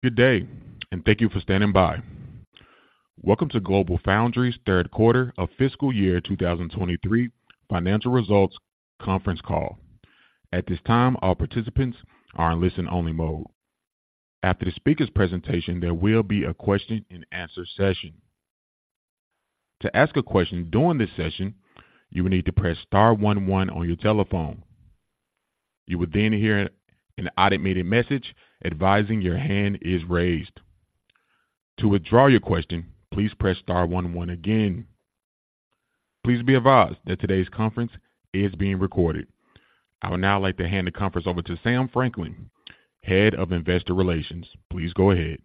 Good day, and thank you for standing by. Welcome to GlobalFoundries' third quarter of fiscal year 2023 financial results conference call. At this time, all participants are in listen-only mode. After the speaker's presentation, there will be a question-and-answer session. To ask a question during this session, you will need to press star one one on your telephone. You will then hear an automated message advising your hand is raised. To withdraw your question, please press star one one again. Please be advised that today's conference is being recorded. I would now like to hand the conference over to Sam Franklin, Head of Investor Relations. Please go ahead.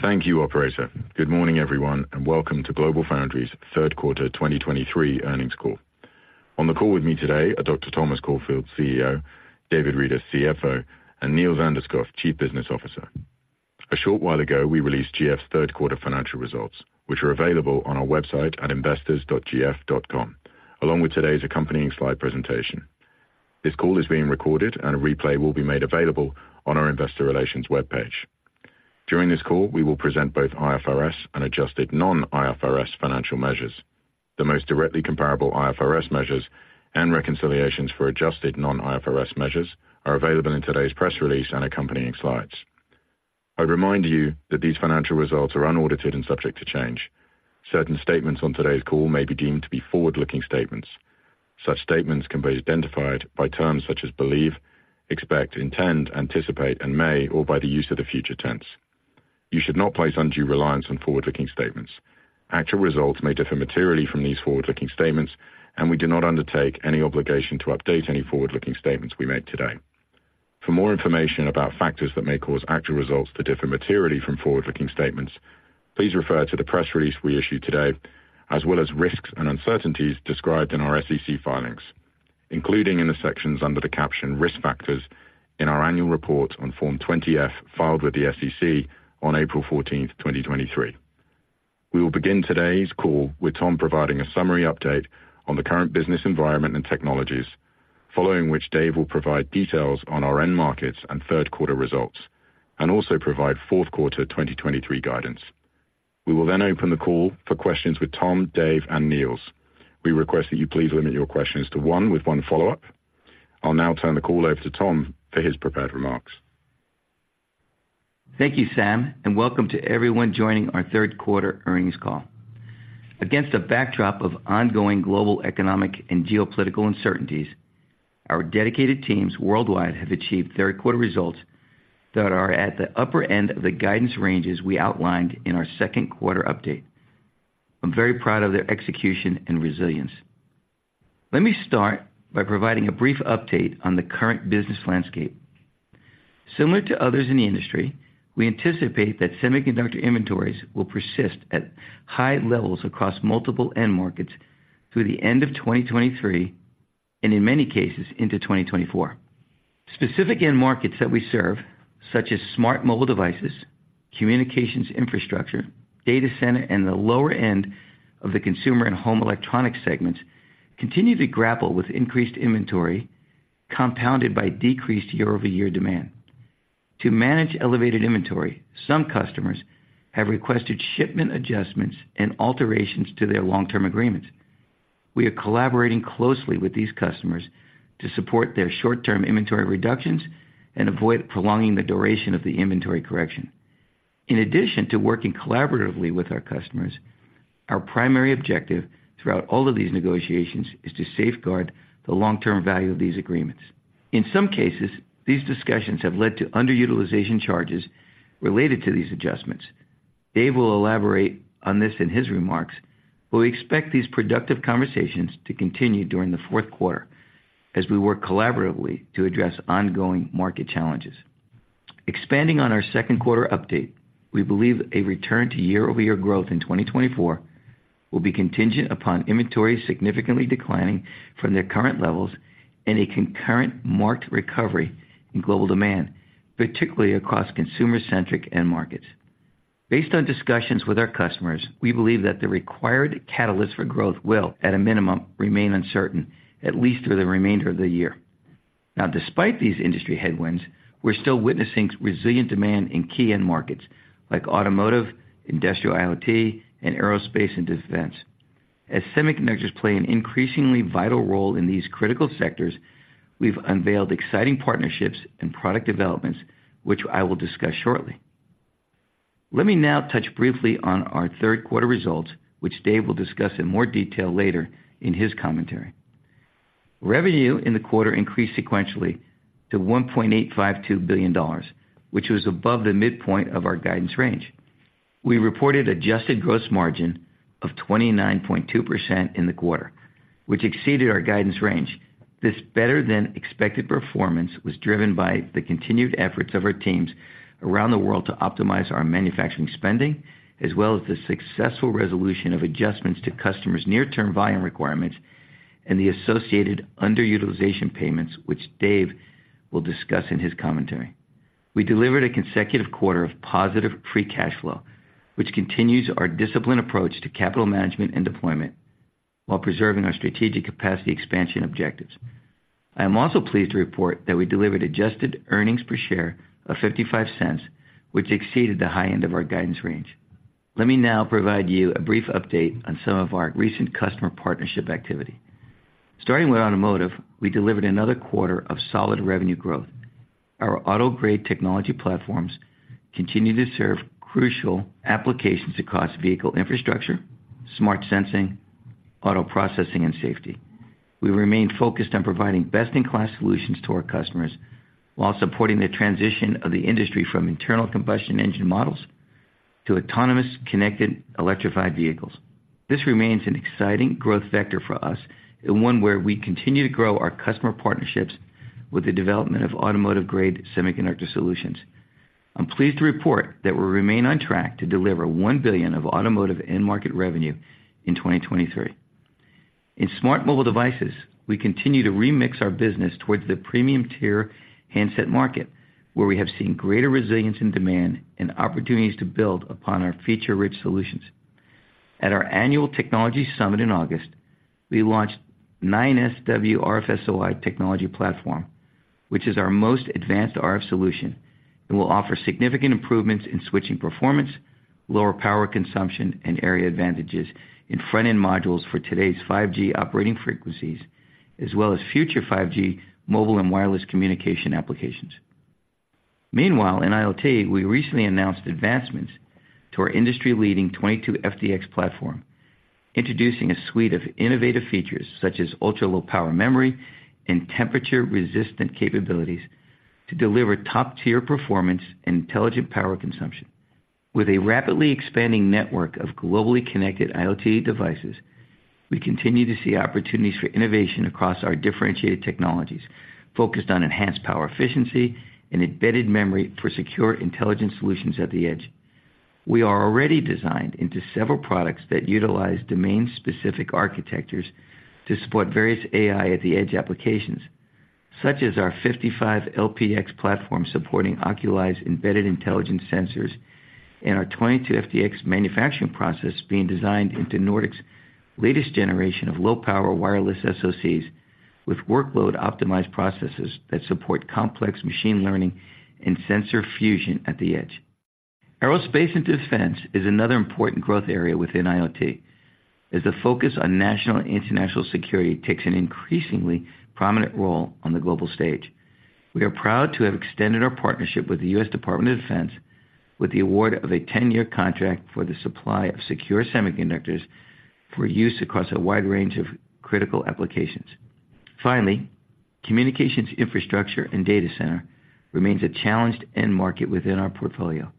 Thank you, operator. Good morning, everyone, and welcome to GlobalFoundries' third quarter 2023 earnings call. On the call with me today are Dr. Thomas Caulfield, CEO, David Reeder, CFO, and Niels Anderskouv, Chief Business Officer. A short while ago, we released GF's third quarter financial results, which are available on our website at investors.gf.com, along with today's accompanying slide presentation. This call is being recorded, and a replay will be made available on our investor relations webpage. During this call, we will present both IFRS and adjusted non-IFRS financial measures. The most directly comparable IFRS measures and reconciliations for adjusted non-IFRS measures are available in today's press release and accompanying slides. I remind you that these financial results are unaudited and subject to change. Certain statements on today's call may be deemed to be forward-looking statements. Such statements can be identified by terms such as believe, expect, intend, anticipate, and may, or by the use of the future tense. You should not place undue reliance on forward-looking statements. Actual results may differ materially from these forward-looking statements, and we do not undertake any obligation to update any forward-looking statements we make today. For more information about factors that may cause actual results to differ materially from forward-looking statements, please refer to the press release we issued today, as well as risks and uncertainties described in our SEC filings, including in the sections under the caption Risk Factors in our annual report on Form 20-F, filed with the SEC on April 14th, 2023. We will begin today's call with Tom providing a summary update on the current business environment and technologies, following which Dave will provide details on our end markets and third quarter results, and also provide fourth quarter 2023 guidance. We will then open the call for questions with Tom, Dave, and Niels. We request that you please limit your questions to one with one follow-up. I'll now turn the call over to Tom for his prepared remarks. Thank you, Sam, and welcome to everyone joining our third quarter earnings call. Against a backdrop of ongoing global, economic, and geopolitical uncertainties, our dedicated teams worldwide have achieved third quarter results that are at the upper end of the guidance ranges we outlined in our second quarter update. I'm very proud of their execution and resilience. Let me start by providing a brief update on the current business landscape. Similar to others in the industry, we anticipate that semiconductor inventories will persist at high levels across multiple end markets through the end of 2023, and in many cases, into 2024. Specific end markets that we serve, such as smart mobile devices, communications infrastructure, data center, and the lower end of the consumer and home electronic segments, continue to grapple with increased inventory, compounded by decreased year-over-year demand. To manage elevated inventory, some customers have requested shipment adjustments and alterations to their long-term agreements. We are collaborating closely with these customers to support their short-term inventory reductions and avoid prolonging the duration of the inventory correction. In addition to working collaboratively with our customers, our primary objective throughout all of these negotiations is to safeguard the long-term value of these agreements. In some cases, these discussions have led to underutilization charges related to these adjustments. Dave will elaborate on this in his remarks, but we expect these productive conversations to continue during the fourth quarter as we work collaboratively to address ongoing market challenges. Expanding on our second quarter update, we believe a return to year-over-year growth in 2024 will be contingent upon inventories significantly declining from their current levels and a concurrent marked recovery in global demand, particularly across consumer-centric end markets. Based on discussions with our customers, we believe that the required catalyst for growth will, at a minimum, remain uncertain, at least through the remainder of the year. Now, despite these industry headwinds, we're still witnessing resilient demand in key end markets like Automotive, Industrial IoT, and Aerospace and Defense. As semiconductors play an increasingly vital role in these critical sectors, we've unveiled exciting partnerships and product developments, which I will discuss shortly. Let me now touch briefly on our third quarter results, which Dave will discuss in more detail later in his commentary. Revenue in the quarter increased sequentially to $1.852 billion, which was above the midpoint of our guidance range. We reported adjusted gross margin of 29.2% in the quarter, which exceeded our guidance range. This better-than-expected performance was driven by the continued efforts of our teams around the world to optimize our manufacturing spending, as well as the successful resolution of adjustments to customers' near-term volume requirements and the associated underutilization payments, which Dave will discuss in his commentary. We delivered a consecutive quarter of positive free cash flow, which continues our disciplined approach to capital management and deployment, while preserving our strategic capacity expansion objectives. I am also pleased to report that we delivered adjusted earnings per share of $0.55, which exceeded the high end of our guidance range. Let me now provide you a brief update on some of our recent customer partnership activity. Starting with Automotive, we delivered another quarter of solid revenue growth. Our auto-grade technology platforms continue to serve crucial applications across vehicle infrastructure, smart sensing, auto processing, and safety. We remain focused on providing best-in-class solutions to our customers, while supporting the transition of the industry from internal combustion engine models to autonomous, connected, electrified vehicles. This remains an exciting growth vector for us, and one where we continue to grow our customer partnerships with the development of automotive-grade semiconductor solutions. I'm pleased to report that we remain on track to deliver $1 billion of automotive end market revenue in 2023. In smart mobile devices, we continue to remix our business towards the premium-tier handset market, where we have seen greater resilience in demand and opportunities to build upon our feature-rich solutions. At our annual technology summit in August, we launched 9SW RF SOI technology platform, which is our most advanced RF solution and will offer significant improvements in switching performance, lower power consumption, and area advantages in front-end modules for today's 5G operating frequencies, as well as future 5G mobile and wireless communication applications. Meanwhile, in IoT, we recently announced advancements to our industry-leading 22FDX platform, introducing a suite of innovative features such as ultra-low power memory and temperature-resistant capabilities to deliver top-tier performance and intelligent power consumption. With a rapidly expanding network of globally connected IoT devices, we continue to see opportunities for innovation across our differentiated technologies, focused on enhanced power efficiency and embedded memory for secure, intelligent solutions at the edge. We are already designed into several products that utilize domain-specific architectures to support various AI at the edge applications, such as our 55LPx platform supporting Oculii embedded intelligence sensors and our 22FDX manufacturing process being designed into Nordic's latest generation of low-power wireless SoCs, with workload-optimized processes that support complex machine learning and sensor fusion at the edge. Aerospace and Defense is another important growth area within IoT, as the focus on national and international security takes an increasingly prominent role on the global stage. We are proud to have extended our partnership with the U.S. Department of Defense with the award of a 10-year contract for the supply of secure semiconductors for use across a wide range of critical applications. Finally, communications infrastructure and data center remains a challenged end market within our portfolio.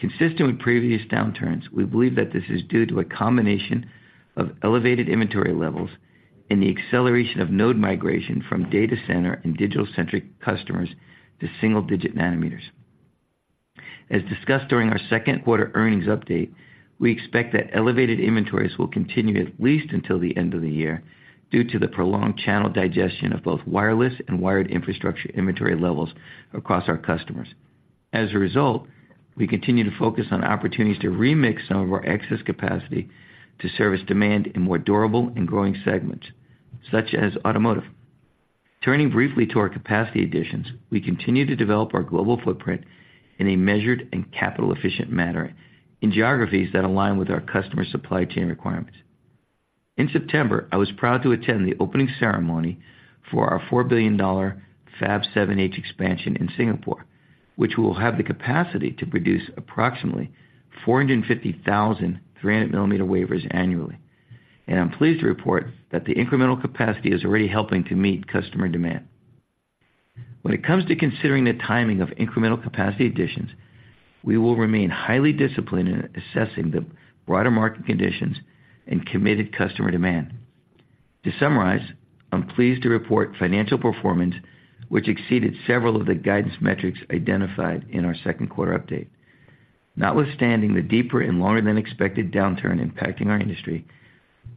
Consistent with previous downturns, we believe that this is due to a combination of elevated inventory levels and the acceleration of node migration from data center and digital-centric customers to single-digit nanometers. As discussed during our second quarter earnings update, we expect that elevated inventories will continue at least until the end of the year, due to the prolonged channel digestion of both wireless and wired infrastructure inventory levels across our customers. As a result, we continue to focus on opportunities to remix some of our excess capacity to service demand in more durable and growing segments, such as automotive. Turning briefly to our capacity additions, we continue to develop our global footprint in a measured and capital-efficient manner in geographies that align with our customer supply chain requirements. In September, I was proud to attend the opening ceremony for our $4 billion Fab 7H expansion in Singapore, which will have the capacity to produce approximately 450,000 300 millimeter wafers annually. I'm pleased to report that the incremental capacity is already helping to meet customer demand. When it comes to considering the timing of incremental capacity additions, we will remain highly disciplined in assessing the broader market conditions and committed customer demand. To summarize, I'm pleased to report financial performance, which exceeded several of the guidance metrics identified in our second quarter update. Notwithstanding the deeper and longer than expected downturn impacting our industry,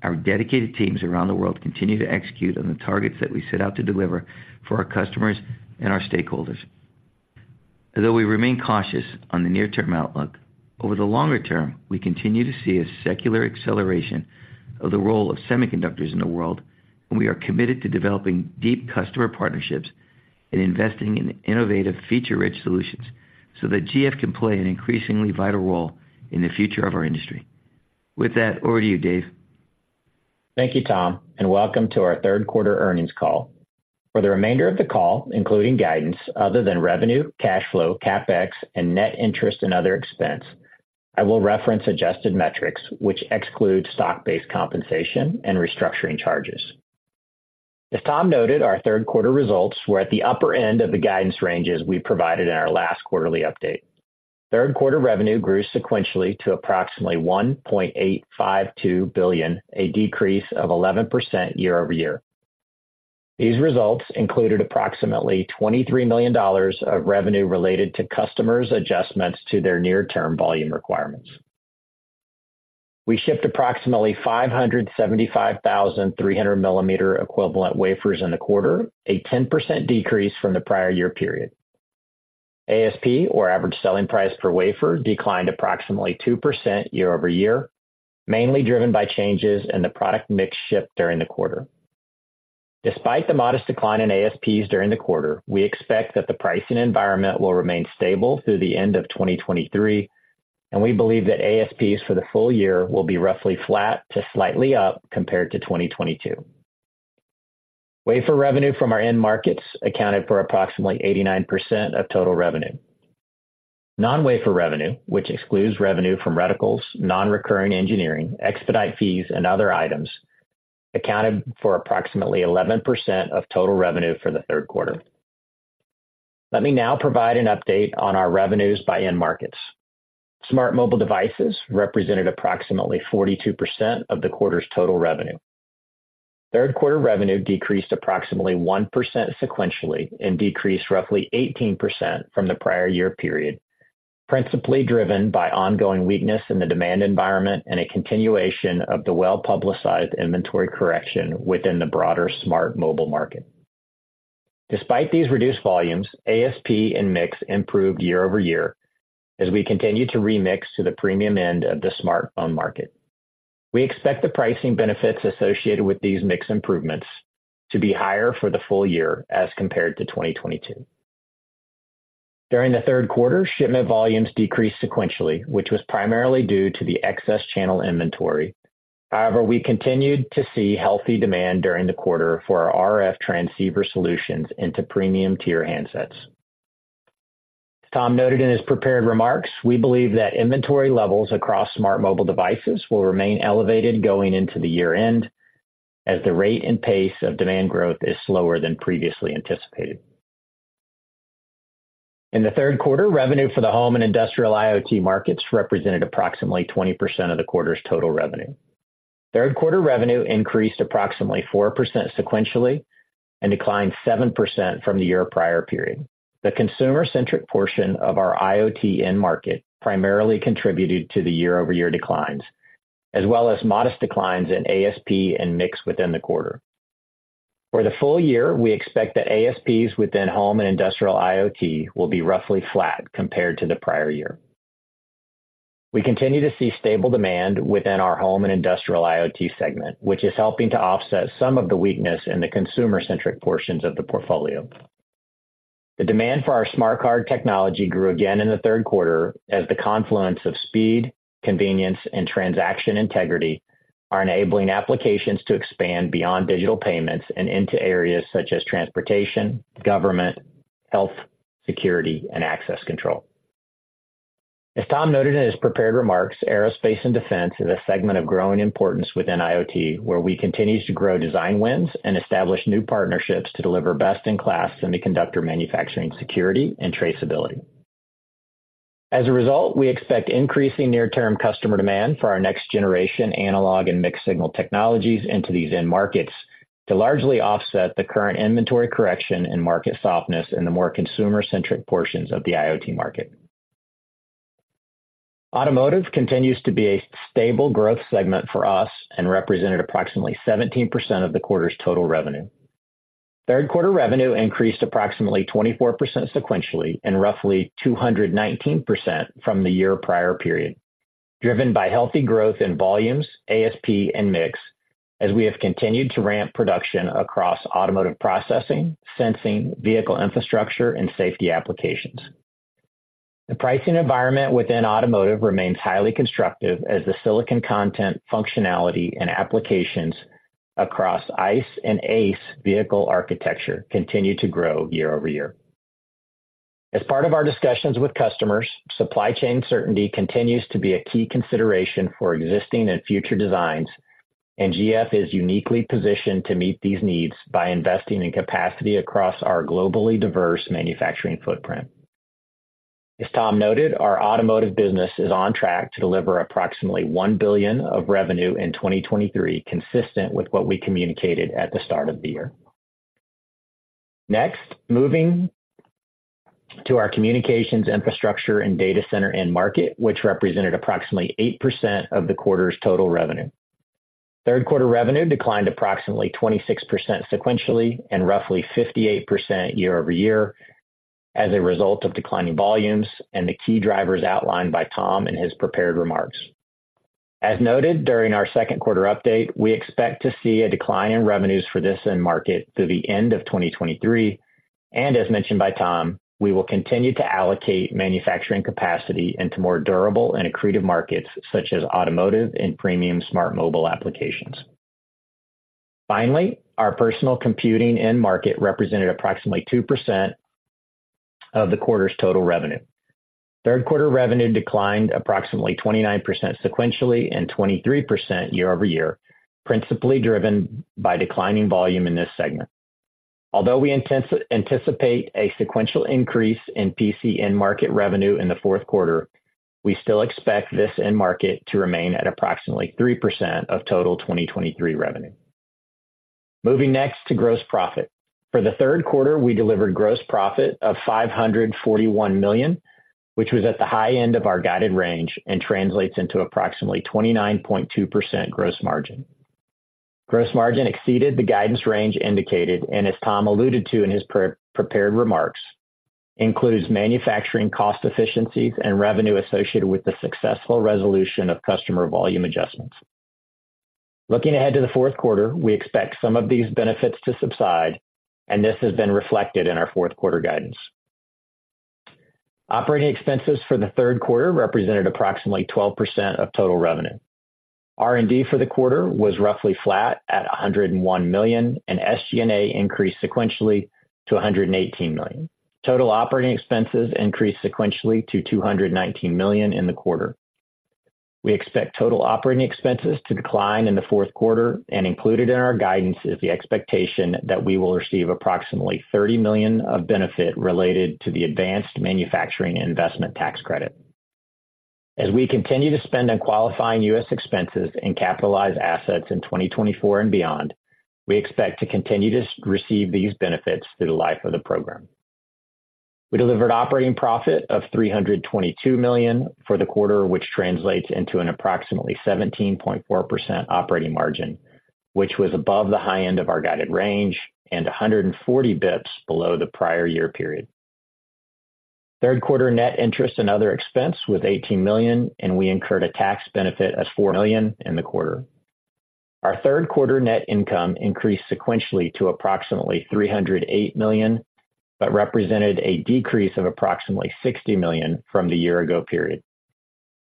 our dedicated teams around the world continue to execute on the targets that we set out to deliver for our customers and our stakeholders. Although we remain cautious on the near term outlook, over the longer term, we continue to see a secular acceleration of the role of semiconductors in the world, and we are committed to developing deep customer partnerships and investing in innovative, feature-rich solutions, so that GF can play an increasingly vital role in the future of our industry. With that, over to you, Dave. Thank you, Tom, and welcome to our third quarter earnings call. For the remainder of the call, including guidance other than revenue, cash flow, CapEx, and net interest and other expense, I will reference adjusted metrics, which exclude stock-based compensation and restructuring charges. As Tom noted, our third quarter results were at the upper end of the guidance ranges we provided in our last quarterly update. Third quarter revenue grew sequentially to approximately $1.852 billion, a decrease of 11% year-over-year. These results included approximately $23 million of revenue related to customers' adjustments to their near-term volume requirements. We shipped approximately 575,000 300-millimeter equivalent wafers in the quarter, a 10% decrease from the prior year period. ASP, or average selling price per wafer, declined approximately 2% year-over-year, mainly driven by changes in the product mix shift during the quarter. Despite the modest decline in ASPs during the quarter, we expect that the pricing environment will remain stable through the end of 2023, and we believe that ASPs for the full year will be roughly flat to slightly up compared to 2022. Wafer revenue from our end markets accounted for approximately 89% of total revenue. Non-wafer revenue, which excludes revenue from reticles, non-recurring engineering, expedite fees, and other items, accounted for approximately 11% of total revenue for the third quarter. Let me now provide an update on our revenues by end markets. Smart mobile devices represented approximately 42% of the quarter's total revenue. Third quarter revenue decreased approximately 1% sequentially and decreased roughly 18% from the prior year period, principally driven by ongoing weakness in the demand environment and a continuation of the well-publicized inventory correction within the broader smart mobile market. Despite these reduced volumes, ASP and mix improved year-over-year as we continued to remix to the premium end of the smartphone market. We expect the pricing benefits associated with these mix improvements to be higher for the full year as compared to 2022. During the third quarter, shipment volumes decreased sequentially, which was primarily due to the excess channel inventory. However, we continued to see healthy demand during the quarter for our RF transceiver solutions into premium-tier handsets. Tom noted in his prepared remarks, we believe that inventory levels across smart mobile devices will remain elevated going into the year-end, as the rate and pace of demand growth is slower than previously anticipated. In the third quarter, revenue for the home and industrial IoT markets represented approximately 20% of the quarter's total revenue. Third quarter revenue increased approximately 4% sequentially and declined 7% from the year prior period. The consumer-centric portion of our IoT end market primarily contributed to the year-over-year declines, as well as modest declines in ASP and mix within the quarter. For the full year, we expect that ASPs within home and industrial IoT will be roughly flat compared to the prior year. We continue to see stable demand within our home and industrial IoT segment, which is helping to offset some of the weakness in the consumer-centric portions of the portfolio. The demand for our smart card technology grew again in the third quarter, as the confluence of speed, convenience, and transaction integrity are enabling applications to expand beyond digital payments and into areas such as transportation, government, health, security, and access control. As Tom noted in his prepared remarks, aerospace and defense is a segment of growing importance within IoT, where we continue to grow design wins and establish new partnerships to deliver best-in-class semiconductor manufacturing security and traceability. As a result, we expect increasing near-term customer demand for our next generation analog and mixed signal technologies into these end markets to largely offset the current inventory correction and market softness in the more consumer-centric portions of the IoT market. Automotive continues to be a stable growth segment for us and represented approximately 17% of the quarter's total revenue. Third quarter revenue increased approximately 24% sequentially and roughly 219% from the year prior period, driven by healthy growth in volumes, ASP, and mix, as we have continued to ramp production across automotive processing, sensing, vehicle infrastructure, and safety applications. The pricing environment within Automotive remains highly constructive as the silicon content, functionality, and applications across ICE and ACE vehicle architecture continue to grow year-over-year. As part of our discussions with customers, supply chain certainty continues to be a key consideration for existing and future designs, and GF is uniquely positioned to meet these needs by investing in capacity across our globally diverse manufacturing footprint. As Tom noted, our automotive business is on track to deliver approximately $1 billion of revenue in 2023, consistent with what we communicated at the start of the year. Next, moving to our communications, infrastructure, and data center end market, which represented approximately 8% of the quarter's total revenue. Third quarter revenue declined approximately 26% sequentially and roughly 58% year-over-year as a result of declining volumes and the key drivers outlined by Tom in his prepared remarks. As noted during our second quarter update, we expect to see a decline in revenues for this end market through the end of 2023, and as mentioned by Tom, we will continue to allocate manufacturing capacity into more durable and accretive markets, such as automotive and premium smart mobile applications. Finally, our personal computing end market represented approximately 2% of the quarter's total revenue. Third quarter revenue declined approximately 29% sequentially and 23% year-over-year, principally driven by declining volume in this segment. Although we anticipate a sequential increase in PC end market revenue in the fourth quarter, we still expect this end market to remain at approximately 3% of total 2023 revenue. Moving next to gross profit. For the third quarter, we delivered gross profit of $541 million, which was at the high end of our guided range and translates into approximately 29.2% gross margin. Gross margin exceeded the guidance range indicated, and as Tom alluded to in his pre-prepared remarks, includes manufacturing cost efficiencies and revenue associated with the successful resolution of customer volume adjustments. Looking ahead to the fourth quarter, we expect some of these benefits to subside, and this has been reflected in our fourth quarter guidance. Operating expenses for the third quarter represented approximately 12% of total revenue. R&D for the quarter was roughly flat at $101 million, and SG&A increased sequentially to $118 million. Total operating expenses increased sequentially to $219 million in the quarter. We expect total operating expenses to decline in the fourth quarter, and included in our guidance is the expectation that we will receive approximately $30 million of benefit related to the Advanced Manufacturing Investment Tax Credit. As we continue to spend on qualifying U.S. expenses and capitalize assets in 2024 and beyond, we expect to continue to receive these benefits through the life of the program. We delivered operating profit of $322 million for the quarter, which translates into an approximately 17.4% operating margin, which was above the high end of our guided range and 140 BPS below the prior year period. Third quarter net interest and other expense was $18 million, and we incurred a tax benefit of $4 million in the quarter. Our third quarter net income increased sequentially to approximately $308 million, but represented a decrease of approximately $60 million from the year ago period.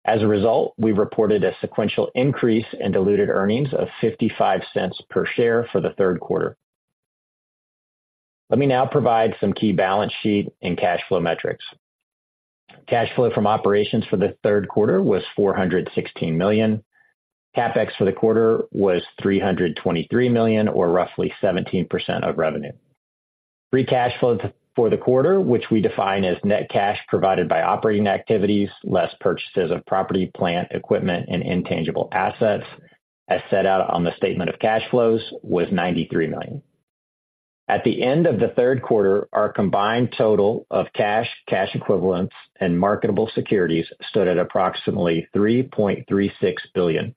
As a result, we reported a sequential increase in diluted earnings of $0.55 per share for the third quarter. Let me now provide some key balance sheet and cash flow metrics. Cash flow from operations for the third quarter was $416 million. CapEx for the quarter was $323 million, or roughly 17% of revenue. Free cash flow for the quarter, which we define as net cash provided by operating activities, less purchases of property, plant, equipment, and intangible assets, as set out on the statement of cash flows, was $93 million. At the end of the third quarter, our combined total of cash, cash equivalents, and marketable securities stood at approximately $3.36 billion.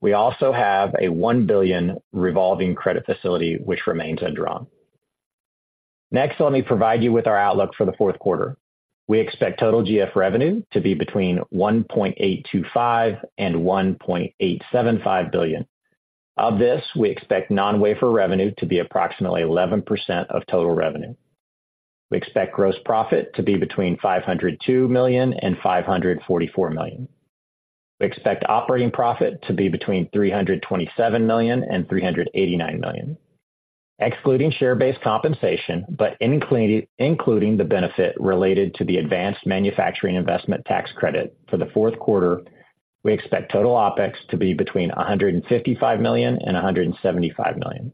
We also have a $1 billion revolving credit facility, which remains undrawn. Next, let me provide you with our outlook for the fourth quarter. We expect total GF revenue to be between $1.825 billion and $1.875 billion. Of this, we expect non-wafer revenue to be approximately 11% of total revenue. We expect gross profit to be between $502 million and $544 million. We expect operating profit to be between $327 million and $389 million. Excluding share-based compensation, but including the benefit related to the Advanced Manufacturing Investment Tax Credit for the fourth quarter, we expect total OpEx to be between $155 million and $175 million.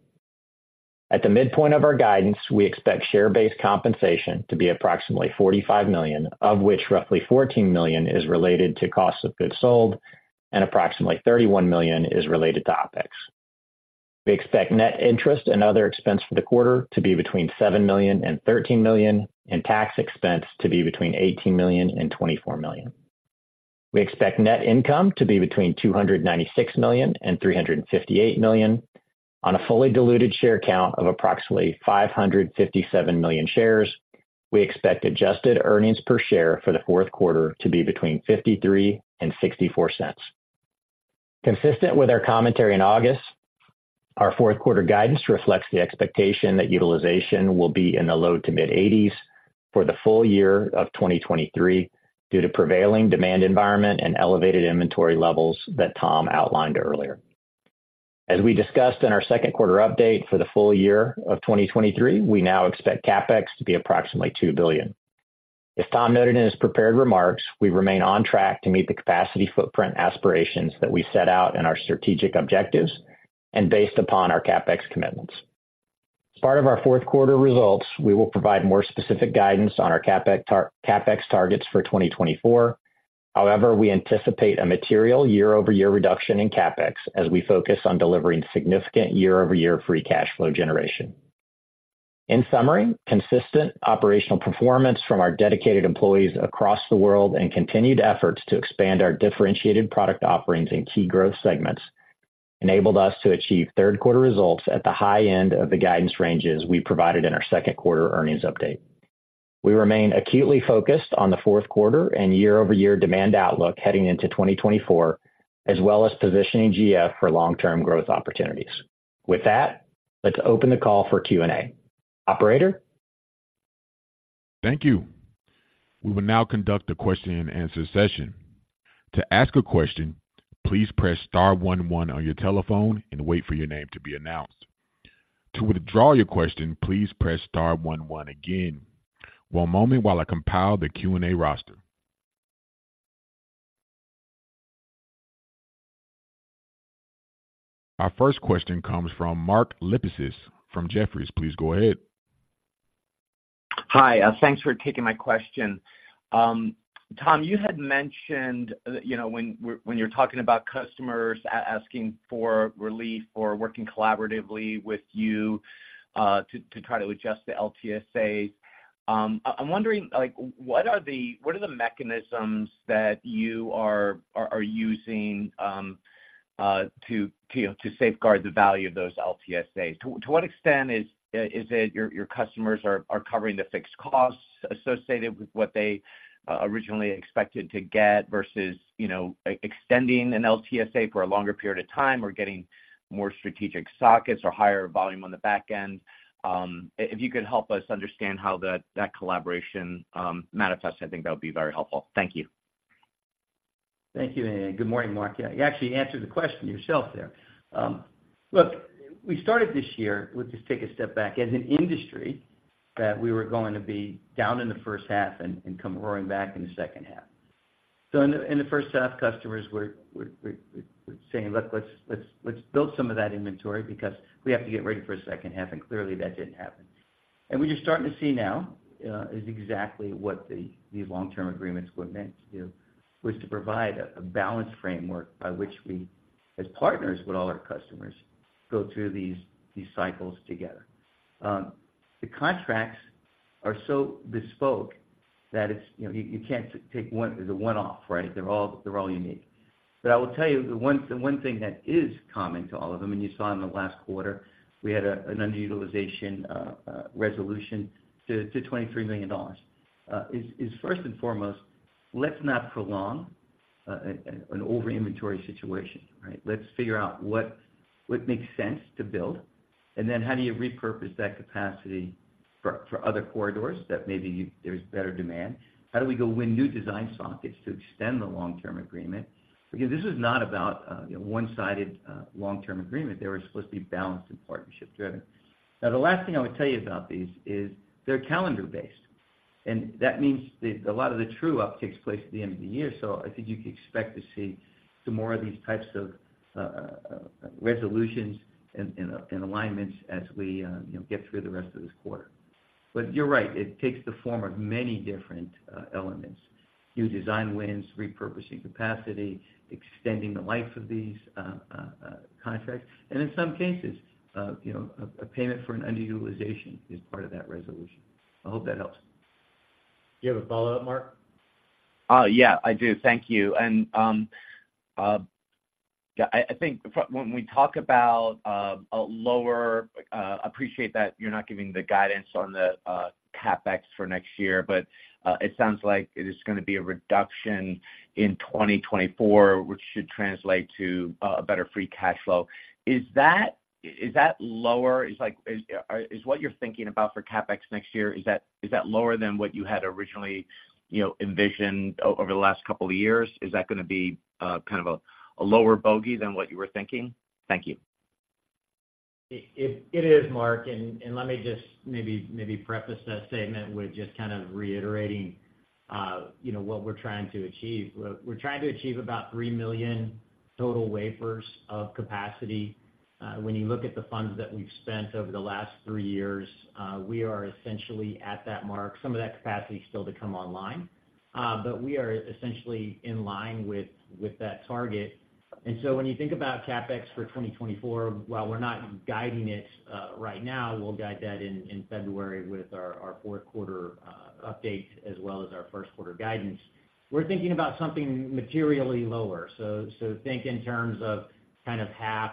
At the midpoint of our guidance, we expect share-based compensation to be approximately $45 million, of which roughly $14 million is related to cost of goods sold and approximately $31 million is related to OpEx. We expect net interest and other expense for the quarter to be between $7 million and $13 million, and tax expense to be between $18 million and $24 million. We expect net income to be between $296 million and $358 million on a fully diluted share count of approximately 557 million shares. We expect adjusted earnings per share for the fourth quarter to be between $0.53 and $0.64. Consistent with our commentary in August, our fourth quarter guidance reflects the expectation that utilization will be in the low to mid-80s for the full year of 2023, due to prevailing demand environment and elevated inventory levels that Tom outlined earlier. As we discussed in our second quarter update, for the full year of 2023, we now expect CapEx to be approximately $2 billion. As Tom noted in his prepared remarks, we remain on track to meet the capacity footprint aspirations that we set out in our strategic objectives and based upon our CapEx commitments. As part of our fourth quarter results, we will provide more specific guidance on our CapEx targets for 2024. However, we anticipate a material year-over-year reduction in CapEx as we focus on delivering significant year-over-year free cash flow generation. In summary, consistent operational performance from our dedicated employees across the world and continued efforts to expand our differentiated product offerings in key growth segments, enabled us to achieve third quarter results at the high end of the guidance ranges we provided in our second quarter earnings update. We remain acutely focused on the fourth quarter and year-over-year demand outlook heading into 2024, as well as positioning GF for long-term growth opportunities. With that, let's open the call for Q and A. Operator? Thank you. We will now conduct a question-and-answer session. To ask a question, please press star one one on your telephone and wait for your name to be announced. To withdraw your question, please press star one one again. One moment while I compile the Q and A roster. Our first question comes from Mark Lipacis, from Jefferies. Please go ahead. Hi, thanks for taking my question. Tom, you had mentioned that, you know, when you're talking about customers asking for relief or working collaboratively with you, to try to adjust the LTSAs, I'm wondering, like, what are the mechanisms that you are using to safeguard the value of those LTSAs? To what extent is it your customers are covering the fixed costs associated with what they originally expected to get versus, you know, extending an LTSA for a longer period of time or getting more strategic sockets or higher volume on the back end? If you could help us understand how that collaboration manifests, I think that would be very helpful. Thank you. Thank you, and good morning, Mark. Yeah, you actually answered the question yourself there. Look, we started this year, let's just take a step back, as an industry, that we were going to be down in the first half and come roaring back in the second half. So in the first half, customers were saying, "Look, let's build some of that inventory because we have to get ready for a second half." And clearly, that didn't happen. And what you're starting to see now is exactly what these long-term agreements were meant to do, was to provide a balanced framework by which we, as partners with all our customers, go through these cycles together. The contracts are so bespoke that it's, you know, you can't take one as a one-off, right? They're all, they're all unique. But I will tell you the one, the one thing that is common to all of them, and you saw in the last quarter, we had an underutilization resolution to $23 million, is first and foremost, let's not prolong an over-inventory situation, right? Let's figure out what, what makes sense to build, and then how do you repurpose that capacity for other corridors that maybe you—there's better demand. How do we go win new design sockets to extend the long-term agreement? Because this is not about, you know, one-sided long-term agreement. They were supposed to be balanced and partnership-driven. Now, the last thing I would tell you about these is they're calendar-based, and that means that a lot of the true upticks place at the end of the year. I think you could expect to see some more of these types of resolutions and alignments as we, you know, get through the rest of this quarter. But you're right, it takes the form of many different elements: new design wins, repurposing capacity, extending the life of these contracts, and in some cases, you know, a payment for an underutilization is part of that resolution. I hope that helps. You have a follow-up, Mark? Yeah, I do. Thank you. And yeah, I think when we talk about a lower, appreciate that you're not giving the guidance on the CapEx for next year, but it sounds like it is gonna be a reduction in 2024, which should translate to a better free cash flow. Is that lower? Like, is what you're thinking about for CapEx next year, is that lower than what you had originally, you know, envisioned over the last couple of years? Is that gonna be kind of a lower bogey than what you were thinking? Thank you. It is, Mark, and let me just preface that statement with just kind of reiterating, you know, what we're trying to achieve. We're trying to achieve about 3 million total wafers of capacity. When you look at the funds that we've spent over the last three years, we are essentially at that mark. Some of that capacity is still to come online, but we are essentially in line with that target. And so when you think about CapEx for 2024, while we're not guiding it right now, we'll guide that in February with our fourth quarter update, as well as our first quarter guidance. We're thinking about something materially lower. So think in terms of kind of half,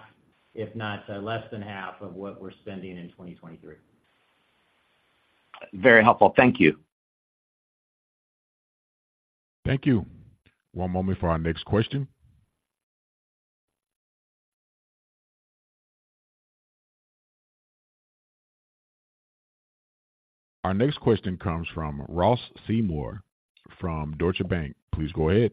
if not less than half of what we're spending in 2023. Very helpful. Thank you. Thank you. One moment for our next question. Our next question comes from Ross Seymore from Deutsche Bank. Please go ahead.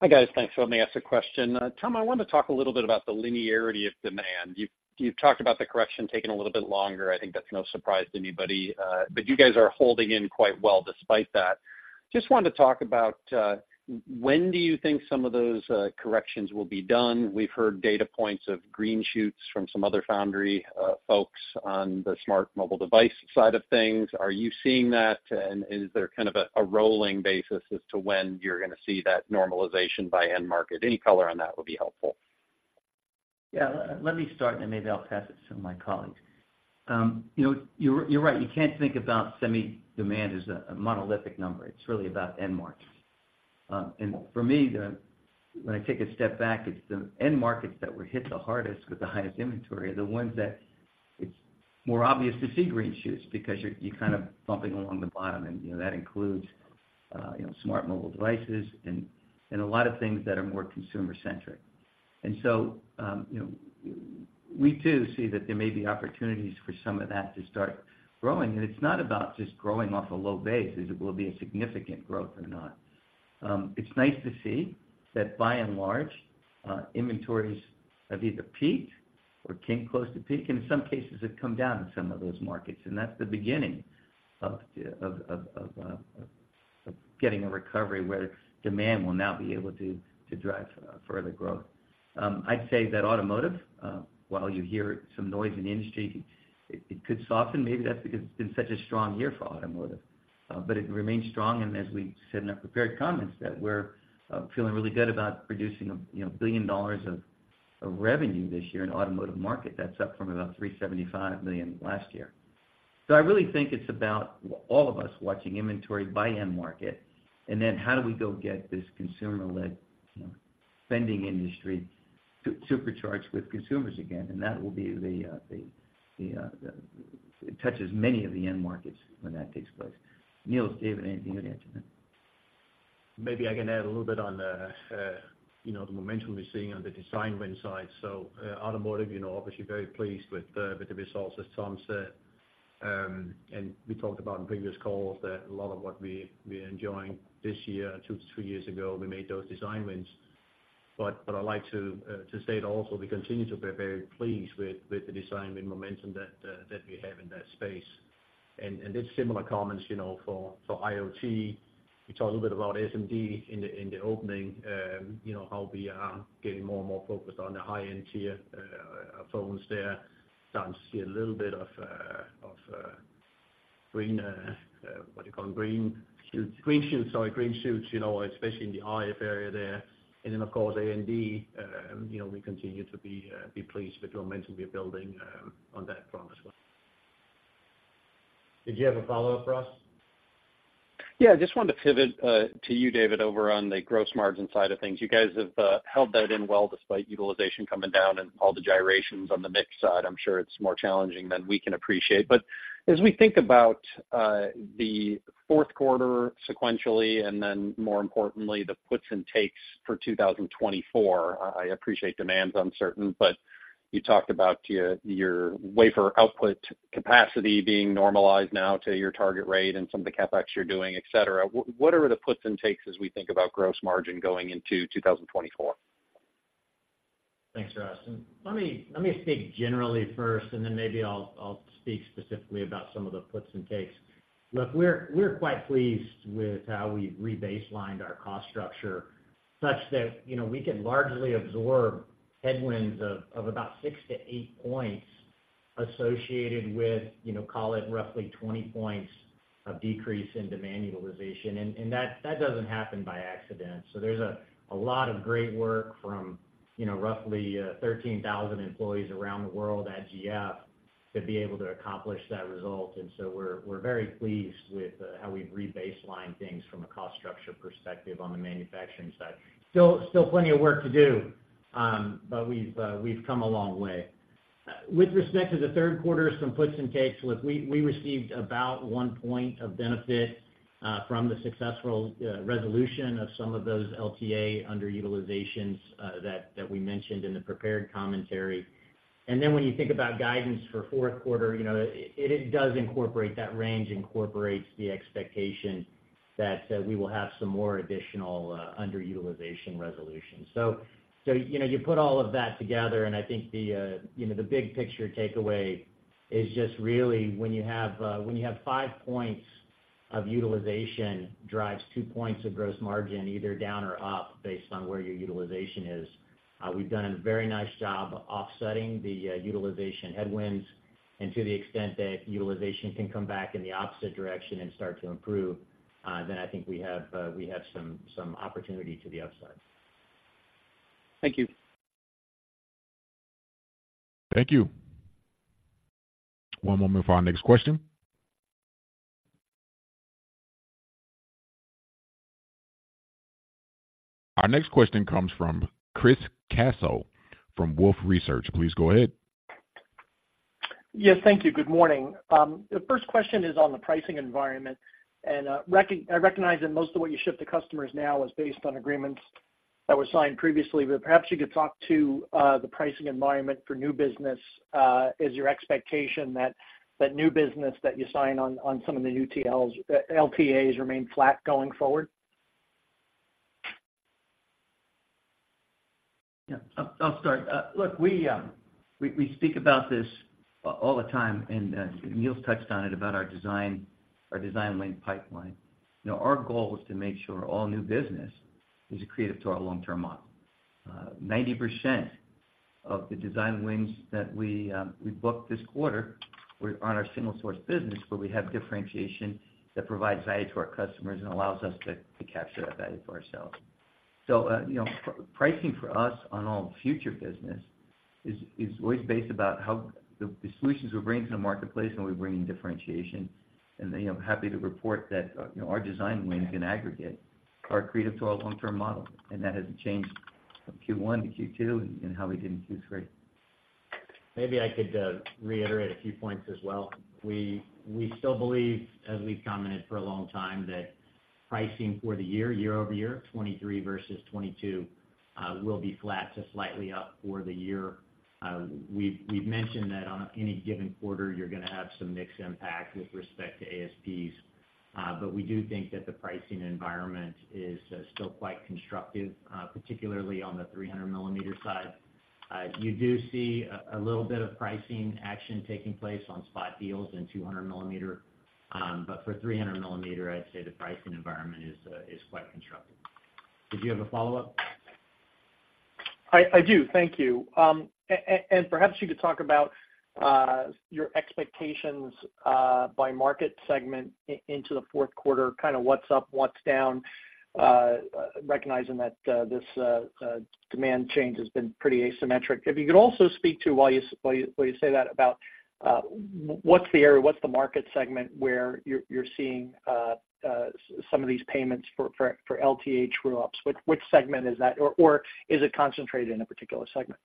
Hi, guys. Thanks for letting me ask a question. Tom, I wanted to talk a little bit about the linearity of demand. You've, you've talked about the correction taking a little bit longer. I think that's no surprise to anybody, but you guys are holding in quite well despite that. Just wanted to talk about when do you think some of those corrections will be done? We've heard data points of green shoots from some other foundry folks on the smart mobile device side of things. Are you seeing that, and is there kind of a rolling basis as to when you're gonna see that normalization by end market? Any color on that would be helpful. Yeah, let me start, and maybe I'll pass it to my colleagues. You know, you're right. You can't think about semi demand as a monolithic number. It's really about end markets. And for me, when I take a step back, it's the end markets that were hit the hardest with the highest inventory, are the ones that it's more obvious to see green shoots because you're kind of bumping along the bottom, and, you know, that includes, you know, smart mobile devices and a lot of things that are more consumer-centric. And so, you know, we too see that there may be opportunities for some of that to start growing, and it's not about just growing off a low base, is it will be a significant growth or not. It's nice to see that, by and large, inventories have either peaked or came close to peak, and in some cases, have come down in some of those markets, and that's the beginning of getting a recovery where demand will now be able to drive further growth. I'd say that automotive, while you hear some noise in the industry, it could soften. Maybe that's because it's been such a strong year for automotive, but it remains strong, and as we said in our prepared comments, that we're feeling really good about producing, you know, $1 billion of revenue this year in automotive market. That's up from about $375 million last year. So I really think it's about all of us watching inventory by end market, and then how do we go get this consumer-led, you know, spending industry supercharged with consumers again? And that will be the it touches many of the end markets when that takes place. Niels, David, anything you'd add to that? Maybe I can add a little bit on the, you know, the momentum we're seeing on the design win side. So, automotive, you know, obviously very pleased with the, with the results, as Tom said. And we talked about in previous calls that a lot of what we, we're enjoying this year, 2-3 years ago, we made those design wins. But, but I'd like to, to say that also, we continue to be very pleased with, with the design win momentum that, that we have in that space. And, and it's similar comments, you know, for, for IoT. We talked a little bit about SMD in the, in the opening, you know, how we are getting more and more focused on the high-end tier, phones there. Starting to see a little bit of green shoots, what do you call them? Green shoots. Green shoots, sorry, green shoots, you know, especially in the RF area there. And then, of course, A&D, you know, we continue to be pleased with the momentum we're building on that front as well. Did you have a follow-up, Ross? Yeah, I just wanted to pivot to you, David, over on the gross margin side of things. You guys have held that in well despite utilization coming down and all the gyrations on the mix side. I'm sure it's more challenging than we can appreciate. But as we think about the fourth quarter sequentially, and then more importantly, the puts and takes for 2024, I appreciate demand's uncertain, but you talked about your wafer output capacity being normalized now to your target rate and some of the CapEx you're doing, et cetera. What are the puts and takes as we think about gross margin going into 2024? Thanks, Ross, and let me speak generally first, and then maybe I'll speak specifically about some of the puts and takes. Look, we're quite pleased with how we re-baselined our cost structure, such that, you know, we can largely absorb headwinds of about 6-8 points associated with, you know, call it roughly 20 points of decrease in demand utilization. And that doesn't happen by accident. So there's a lot of great work from, you know, roughly 13,000 employees around the world at GF to be able to accomplish that result. And so we're very pleased with how we've re-baselined things from a cost structure perspective on the manufacturing side. Still plenty of work to do, but we've come a long way. With respect to the third quarter, some puts and takes, look, we received about 1 point of benefit from the successful resolution of some of those LTA underutilizations that we mentioned in the prepared commentary. And then when you think about guidance for fourth quarter, you know, it does incorporate, that range incorporates the expectation that we will have some more additional underutilization resolutions. So, you know, you put all of that together, and I think the, you know, the big picture takeaway is just really when you have 5 points of utilization, drives 2 points of gross margin, either down or up, based on where your utilization is. We've done a very nice job offsetting the utilization headwinds, and to the extent that utilization can come back in the opposite direction and start to improve, then I think we have some opportunity to the upside. Thank you. Thank you. One moment for our next question. Our next question comes from Chris Caso from Wolfe Research. Please go ahead. Yes, thank you. Good morning. The first question is on the pricing environment, and I recognize that most of what you ship to customers now is based on agreements that were signed previously, but perhaps you could talk to the pricing environment for new business. Is your expectation that new business that you sign on some of the new LTAs remain flat going forward? Yeah, I'll start. Look, we speak about this all the time, and Niels touched on it about our design, our design win pipeline. You know, our goal is to make sure all new business is accretive to our long-term model. 90% of the design wins that we booked this quarter were on our single-source business, where we have differentiation that provides value to our customers and allows us to capture that value for ourselves. So, you know, pricing for us on all future business is always based about how the solutions we're bringing to the marketplace, and we're bringing differentiation. You know, I'm happy to report that, you know, our design wins in aggregate are accretive to our long-term model, and that hasn't changed from Q1 to Q2 and how we did in Q3. Maybe I could reiterate a few points as well. We still believe, as we've commented for a long time, that pricing for the year, year-over-year, 2023 versus 2022, will be flat to slightly up for the year. We've mentioned that on any given quarter, you're gonna have some mix impact with respect to ASPs, but we do think that the pricing environment is still quite constructive, particularly on the 300 millimeter side. You do see a little bit of pricing action taking place on spot deals in 200 millimeter, but for 300 millimeter, I'd say the pricing environment is quite constructive. Did you have a follow-up? I do. Thank you. And perhaps you could talk about your expectations by market segment into the fourth quarter, kind of what's up, what's down, recognizing that this demand change has been pretty asymmetric. If you could also speak to, while you say that, about what's the area, what's the market segment where you're seeing some of these payments for LTA true-ups? Which segment is that? Or is it concentrated in a particular segment?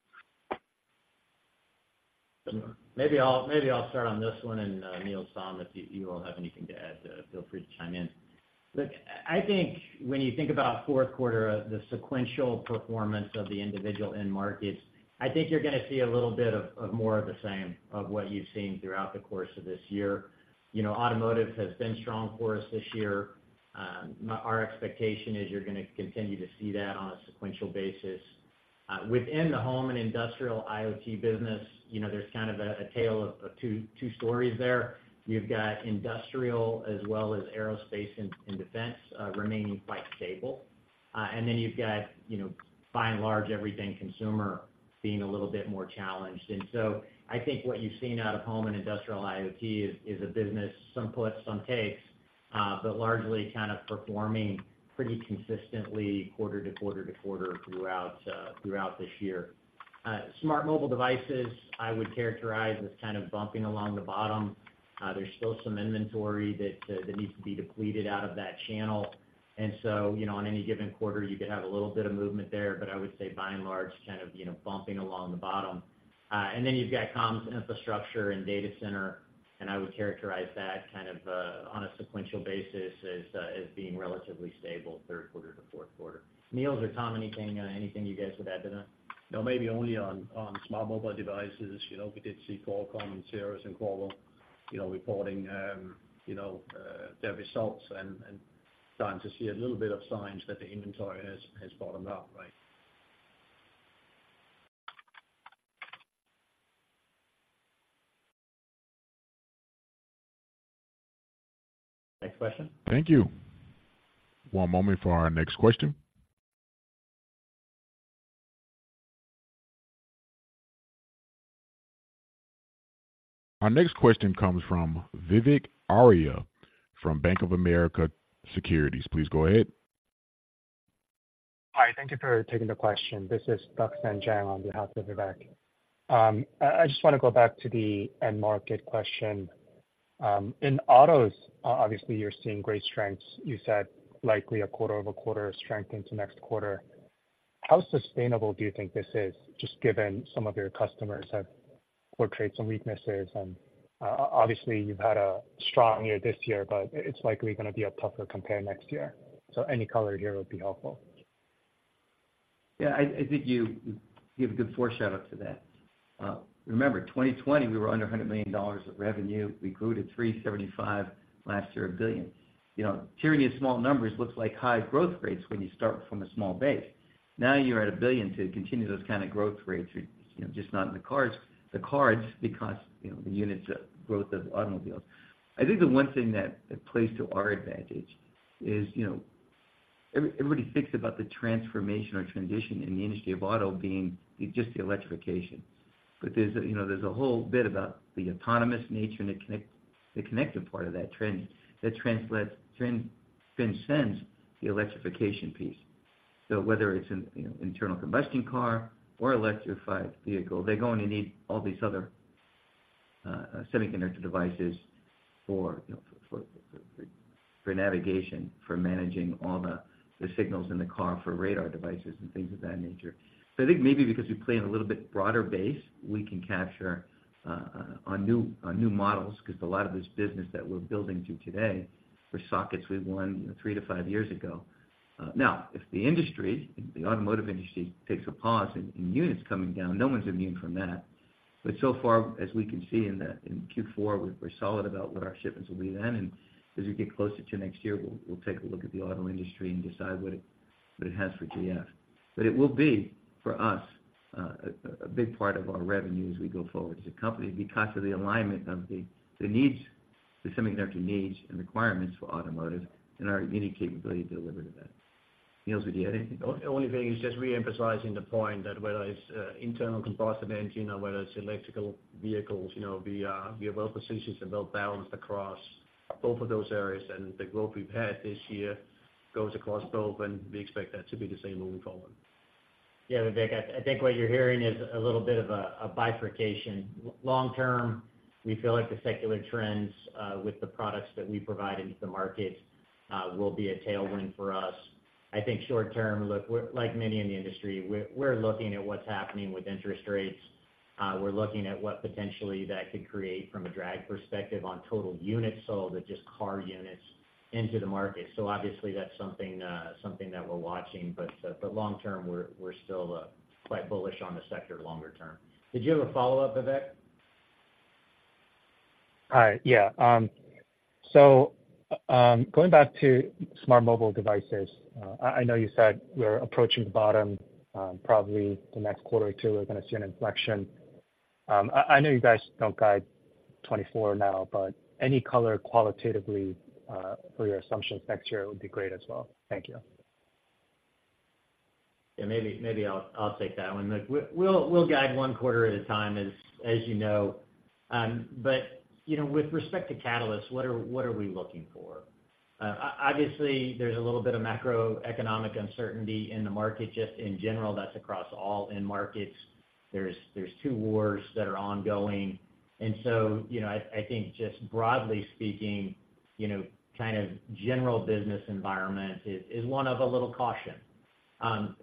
Maybe I'll, maybe I'll start on this one, and, Niels, Tom, if you, you all have anything to add, feel free to chime in. Look, I, I think when you think about fourth quarter, the sequential performance of the individual end markets, I think you're gonna see a little bit of, of more of the same, of what you've seen throughout the course of this year. You know, automotive has been strong for us this year. Our expectation is you're gonna continue to see that on a sequential basis. Within the Home and Industrial IoT business, you know, there's kind of a, a tale of, of two, two stories there. You've got Industrial as well as Aerospace and, and Defense, remaining quite stable. And then you've got, you know, by and large, everything consumer being a little bit more challenged. And so I think what you've seen out of Home and Industrial IoT is a business, some puts, some takes, but largely kind of performing pretty consistently quarter to quarter to quarter throughout this year. Smart mobile devices, I would characterize as kind of bumping along the bottom. There's still some inventory that needs to be depleted out of that channel. And so, you know, on any given quarter, you could have a little bit of movement there, but I would say by and large, kind of, you know, bumping along the bottom. And then you've got comms infrastructure and data center, and I would characterize that kind of on a sequential basis as being relatively stable, third quarter to fourth quarter. Niels or Tom, anything you guys would add to that? No, maybe only on smart mobile devices. You know, we did see Qualcomm, and Cirrus, and Qualcomm, you know, reporting their results and starting to see a little bit of signs that the inventory has bottomed out, right. Next question. Thank you. One moment for our next question. Our next question comes from Vivek Arya from Bank of America Securities. Please go ahead. Hi, thank you for taking the question. This is Jack Sandeen on behalf of Vivek. I just wanna go back to the end market question. In autos, obviously, you're seeing great strengths. You said likely a quarter-over-quarter strength into next quarter. How sustainable do you think this is, just given some of your customers have portrayed some weaknesses? Obviously, you've had a strong year this year, but it's likely gonna be a tougher compare next year. Any color here would be helpful. Yeah, I think you have a good foreshadow to that. Remember, 2020, we were under $100 million of revenue. We grew to $375 million last year, a billion. You know, tiering in small numbers looks like high growth rates when you start from a small base. Now, you're at a billion, to continue those kind of growth rates are, you know, just not in the cards, because, you know, the units growth of automobiles. I think the one thing that plays to our advantage is, you know, everybody thinks about the transformation or transition in the industry of auto being just the electrification. But there's a, you know, there's a whole bit about the autonomous nature and the connected part of that trend that transcends the electrification piece. So whether it's an, you know, internal combustion car or electrified vehicle, they're going to need all these other semiconductor devices for, you know, for navigation, for managing all the signals in the car, for radar devices and things of that nature. So I think maybe because we play in a little bit broader base, we can capture on new models, because a lot of this business that we're building to today for sockets we won, you know, 3-5 years ago. Now, if the industry, if the Automotive Industry takes a pause and units coming down, no one's immune from that. But so far, as we can see in Q4, we're solid about what our shipments will be then, and as we get closer to next year, we'll take a look at the auto industry and decide what it has for GF. But it will be, for us, a big part of our revenue as we go forward as a company because of the alignment of the needs, the semiconductor needs and requirements for Automotive and our unique capability to deliver to that. Niels, have you anything? Only thing is just reemphasizing the point that whether it's internal combustion engine or whether it's electric vehicles, you know, we are, we are well positioned and well balanced across both of those areas. And the growth we've had this year goes across both, and we expect that to be the same moving forward. Yeah, Vivek, I think what you're hearing is a little bit of a bifurcation. Long term, we feel like the secular trends with the products that we provide into the market will be a tailwind for us. I think short term, look, we're like many in the industry, we're looking at what's happening with interest rates. We're looking at what potentially that could create from a drag perspective on total units sold, or just car units into the market. So obviously, that's something that we're watching. But long term, we're still quite bullish on the sector longer term. Did you have a follow-up, Vivek? Hi. Yeah. So, going back to smart mobile devices, I know you said we're approaching the bottom, probably the next quarter or two, we're gonna see an inflection. I know you guys don't guide 2024 now, but any color qualitatively, for your assumptions next year would be great as well. Thank you. Yeah, maybe I'll take that one. Look, we'll guide one quarter at a time, as you know. But, you know, with respect to catalysts, what are we looking for? Obviously, there's a little bit of macroeconomic uncertainty in the market, just in general, that's across all end markets. There's two wars that are ongoing. And so, you know, I think just broadly speaking, you know, kind of general business environment is one of a little caution.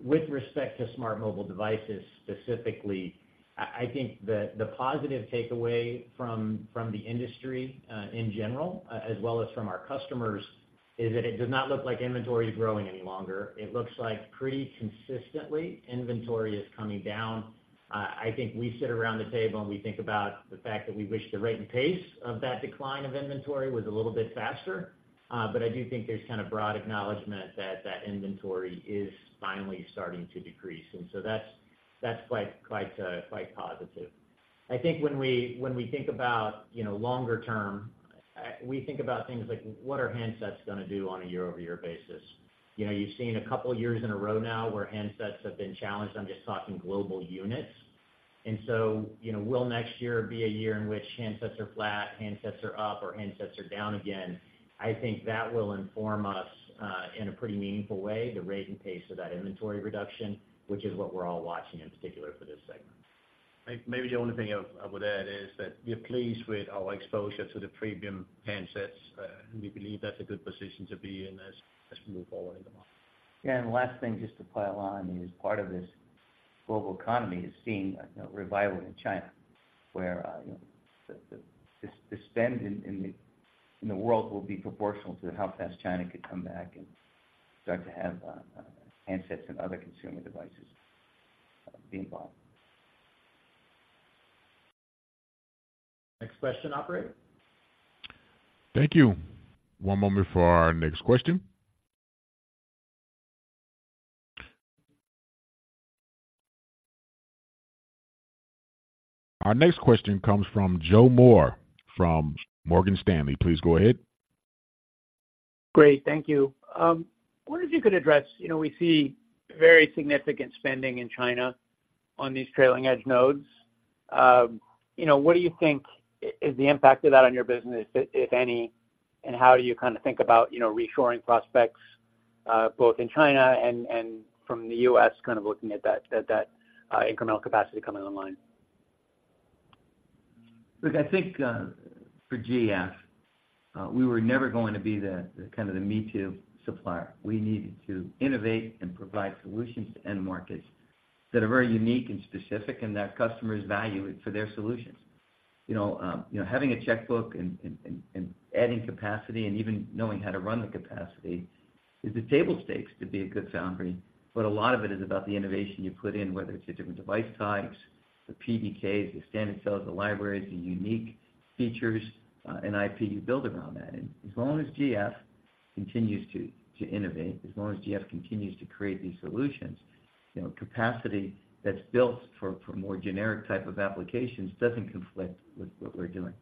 With respect to smart mobile devices, specifically, I think the positive takeaway from the industry, in general, as well as from our customers, is that it does not look like inventory is growing any longer. It looks like pretty consistently inventory is coming down. I think we sit around the table, and we think about the fact that we wish the rate and pace of that decline of inventory was a little bit faster. But I do think there's kind of broad acknowledgement that that inventory is finally starting to decrease, and so that's quite positive. I think when we think about, you know, longer term, we think about things like what are handsets gonna do on a year-over-year basis? You know, you've seen a couple of years in a row now where handsets have been challenged. I'm just talking global units. And so, you know, will next year be a year in which handsets are flat, handsets are up, or handsets are down again? I think that will inform us, in a pretty meaningful way, the rate and pace of that inventory reduction, which is what we're all watching in particular for this segment. Maybe the only thing I'll, I will add is that we're pleased with our exposure to the premium handsets. We believe that's a good position to be in as we move forward in the market. Yeah, and the last thing, just to pile on, is part of this global economy seeing a, you know, revival in China, where, you know, the spend in the world will be proportional to how fast China could come back and start to have handsets and other consumer devices be involved. Next question, operator. Thank you. One moment for our next question. Our next question comes from Joe Moore, from Morgan Stanley. Please go ahead. Great. Thank you. I wonder if you could address, you know, we see very significant spending in China on these trailing edge nodes. You know, what do you think is the impact of that on your business, if any, and how do you kind of think about, you know, reshoring prospects, both in China and from the U.S., kind of looking at that, incremental capacity coming online? Look, I think, for GF, we were never going to be the kind of the me-too supplier. We needed to innovate and provide solutions to end markets that are very unique and specific, and that customers value it for their solutions. You know, having a checkbook and adding capacity, and even knowing how to run the capacity is the table stakes to be a good foundry. But a lot of it is about the innovation you put in, whether it's the different device types, the PDKs, the standard cells, the libraries, the unique features, and IP you build around that. And as long as GF continues to innovate, as long as GF continues to create these solutions, you know, capacity that's built for more generic type of applications doesn't conflict with what we're doing.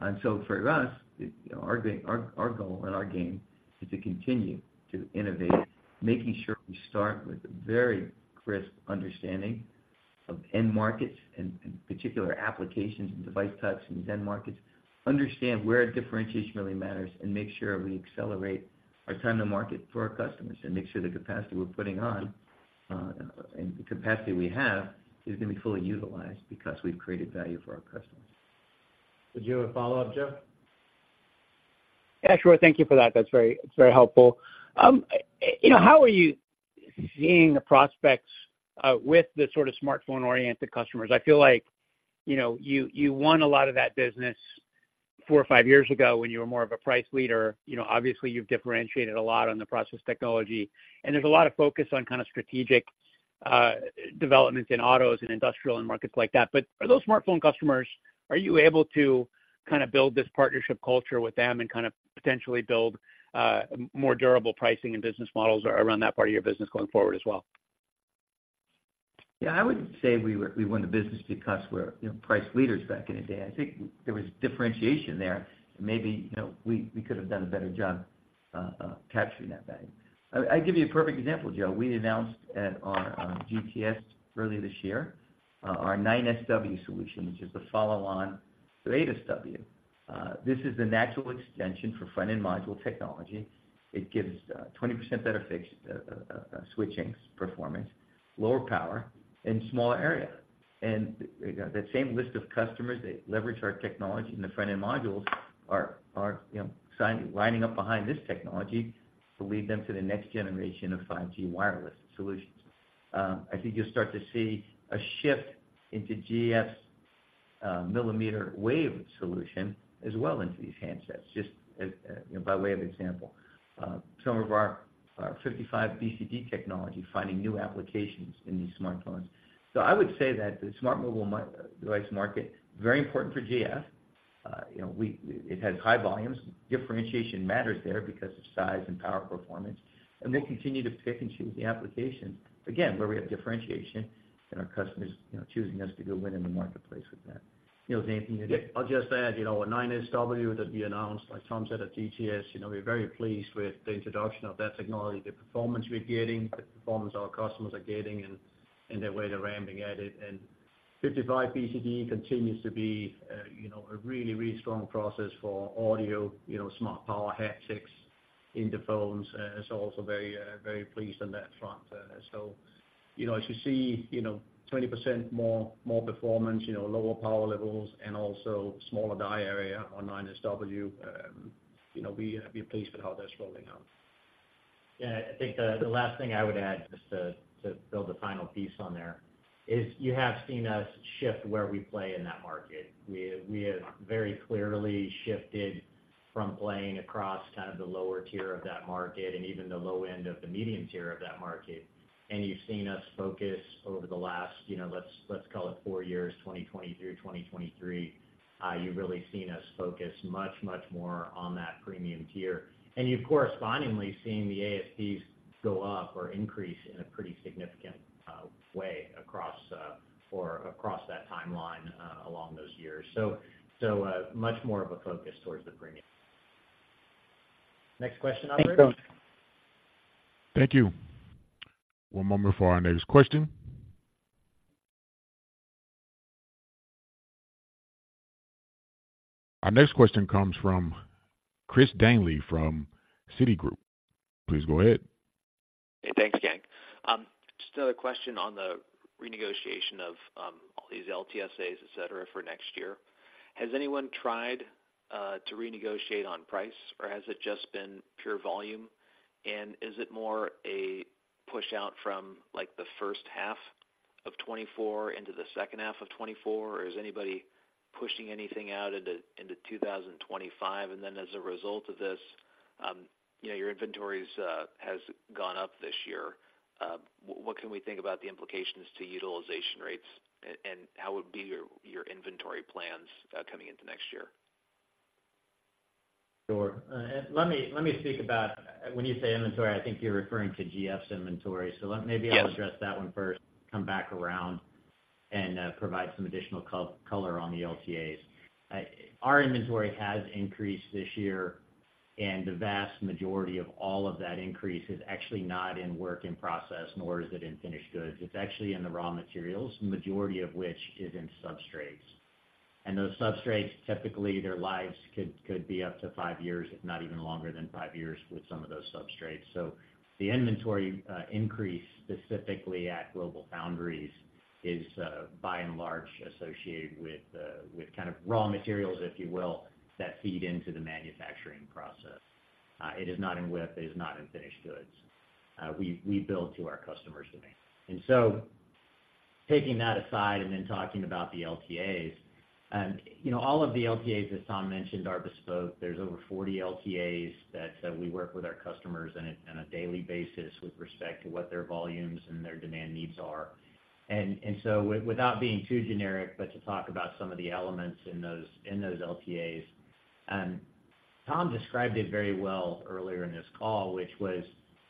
And so for us, you know, our goal and our game is to continue to innovate, making sure we start with a very crisp understanding of end markets and particular applications and device types in these end markets. Understand where differentiation really matters, and make sure we accelerate our time to market for our customers, and make sure the capacity we're putting on and the capacity we have is gonna be fully utilized because we've created value for our customers. Did you have a follow-up, Joe? Yeah, sure. Thank you for that. That's very, it's very helpful. You know, how are you seeing the prospects with the sort of smartphone-oriented customers? I feel like, you know, you, you won a lot of that business four or five years ago when you were more of a price leader. You know, obviously, you've differentiated a lot on the process technology, and there's a lot of focus on kind of strategic developments in autos and industrial and markets like that. But for those smartphone customers, are you able to kind of build this partnership culture with them and kind of potentially build more durable pricing and business models around that part of your business going forward as well? Yeah, I wouldn't say we won the business because we're, you know, price leaders back in the day. I think there was differentiation there, and maybe, you know, we could have done a better job capturing that value. I'll give you a perfect example, Joe. We announced at our GTS early this year our 9SW solution, which is the follow-on to 8SW. This is the natural extension for front-end module technology. It gives 20% better fixed switching performance, lower power, and smaller area. And that same list of customers that leverage our technology in the front-end modules are, you know, lining up behind this technology to lead them to the next generation of 5G wireless solutions. I think you'll start to see a shift into GF's millimeter wave solution as well into these handsets, just as, you know, by way of example. Some of our 55BCD technology, finding new applications in these smartphones. So I would say that the smart mobile device market, very important for GF. You know, it has high volumes. Differentiation matters there because of size and power performance, and we'll continue to pick and choose the application, again, where we have differentiation and our customers, you know, choosing us to go win in the marketplace with that. Niels, anything you'd add? Yeah, I'll just add, you know, with 9SW that we announced, like Tom said, at GTS, you know, we're very pleased with the introduction of that technology, the performance we're getting, the performance our customers are getting, and, and the way they're ramping at it. And 55BCD continues to be, you know, a really, really strong process for audio, you know, smart power haptics into phones, so also very, very pleased on that front. So, you know, as you see, you know, 20% more, more performance, you know, lower power levels and also smaller die area on 9SW, you know, we, we're pleased with how that's rolling out. Yeah, I think the last thing I would add, just to build a final piece on there, is you have seen us shift where we play in that market. We have very clearly shifted from playing across kind of the lower tier of that market and even the low end of the medium tier of that market. And you've seen us focus over the last, you know, let's call it four years, 2020 through 2023, you've really seen us focus much, much more on that premium tier. And you've correspondingly seen the ASPs go up or increase in a pretty significant way across that timeline, along those years. So, much more of a focus towards the premium. Next question operator? Thanks, Tom. Thank you. One moment for our next question. Our next question comes from Chris Danely from Citigroup. Please go ahead. Hey, thanks, gang. Just another question on the renegotiation of all these LTSAs, et cetera, for next year. Has anyone tried to renegotiate on price, or has it just been pure volume? And is it more a pushout from, like, the first half of 2024 into the second half of 2024, or is anybody pushing anything out into 2025? And then as a result of this, you know, your inventories has gone up this year. What can we think about the implications to utilization rates, and how would be your inventory plans coming into next year? Sure. Let me speak about, when you say inventory, I think you're referring to GF's inventory. Yep. So let maybe I'll address that one first, come back around and provide some additional color on the LTAs. Our inventory has increased this year, and the vast majority of all of that increase is actually not in work in process, nor is it in finished goods. It's actually in the raw materials, majority of which is in substrates. And those substrates, typically, their lives could be up to five years, if not even longer than five years, with some of those substrates. So the inventory increase, specifically at GlobalFoundries, is by and large associated with kind of raw materials, if you will, that feed into the manufacturing process. It is not in WIP, it is not in finished goods. We build to our customers' demand. And so taking that aside and then talking about the LTAs, you know, all of the LTAs, as Tom mentioned, are bespoke. There's over 40 LTAs that we work with our customers on a daily basis with respect to what their volumes and their demand needs are. And so without being too generic, but to talk about some of the elements in those LTAs, Tom described it very well earlier in this call, which was,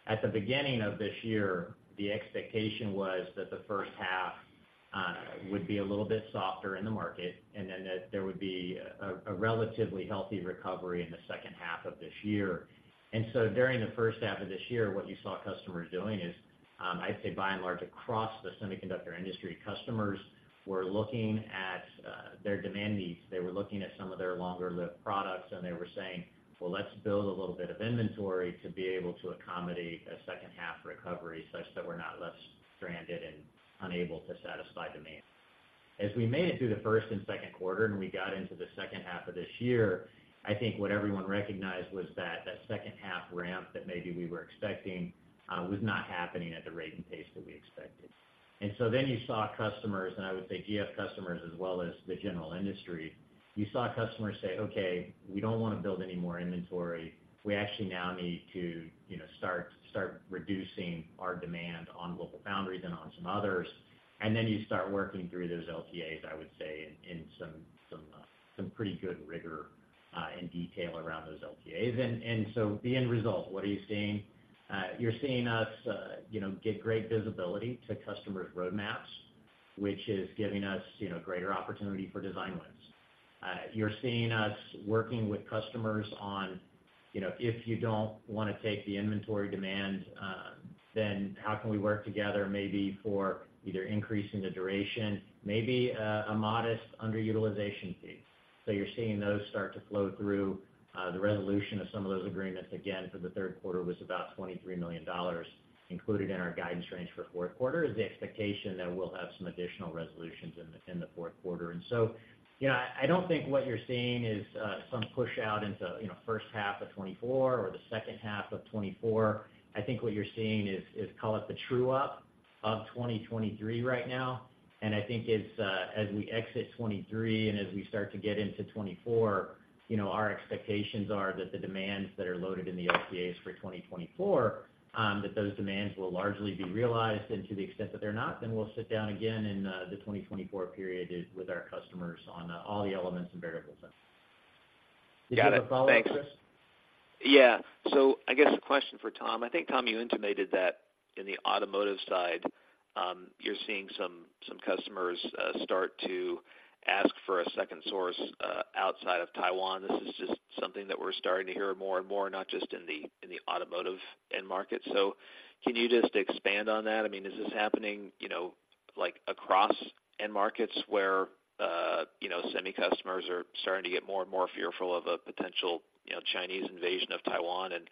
at the beginning of this year, the expectation was that the first half would be a little bit softer in the market, and then that there would be a relatively healthy recovery in the second half of this year. So during the first half of this year, what you saw customers doing is, I'd say by and large, across the semiconductor industry, customers were looking at their demand needs. They were looking at some of their longer-lived products, and they were saying, "Well, let's build a little bit of inventory to be able to accommodate a second half recovery, such that we're not left stranded and unable to satisfy demand." As we made it through the first and second quarter, and we got into the second half of this year, I think what everyone recognized was that, that second half ramp that maybe we were expecting, was not happening at the rate and pace that we expected. And so then you saw customers, and I would say GF customers as well as the general industry, you saw customers say: "Okay, we don't wanna build any more inventory. We actually now need to, you know, start reducing our demand on GlobalFoundries and on some others." And then you start working through those LTAs, I would say, in some pretty good rigor and detail around those LTAs. And so the end result, what are you seeing? You're seeing us, you know, get great visibility to customers' roadmaps, which is giving us, you know, greater opportunity for design wins. You're seeing us working with customers on, you know, if you don't wanna take the inventory demand, then how can we work together maybe for either increasing the duration, maybe a modest underutilization fee? So you're seeing those start to flow through, the resolution of some of those agreements, again, for the third quarter was about $23 million, included in our guidance range for fourth quarter, is the expectation that we'll have some additional resolutions in the fourth quarter. And so, you know, I don't think what you're seeing is some pushout into, you know, first half of 2024 or the second half of 2024. I think what you're seeing is call it the true-up of 2023 right now. And I think it's, as we exit 2023 and as we start to get into 2024, you know, our expectations are that the demands that are loaded in the LTAs for 2024, that those demands will largely be realized. To the extent that they're not, then we'll sit down again in the 2024 period with our customers on all the elements and variables. Got it. Thanks. Did you have a follow-up, Chris? Yeah. So I guess a question for Tom. I think, Tom, you intimated that in the automotive side, you're seeing some customers start to ask for a second source outside of Taiwan. This is just something that we're starting to hear more and more, not just in the automotive end market. So can you just expand on that? I mean, is this happening, you know, like, across end markets where you know, semi customers are starting to get more and more fearful of a potential, you know, Chinese invasion of Taiwan, and